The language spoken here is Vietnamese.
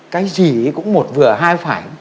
cái gì cũng một vừa hai phải